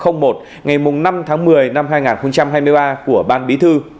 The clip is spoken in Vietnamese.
ngày năm tháng một mươi năm hai nghìn hai mươi ba của ban bí thư